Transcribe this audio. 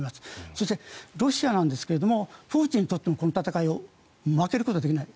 そしてロシアなんですがプーチンにとってもこの戦いは負けることができない。